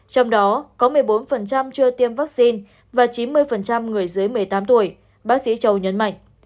trong đó có một mươi bốn chưa tiêm vaccine và chín mươi người dưới một mươi tám tuổi bác sĩ châu nhấn mạnh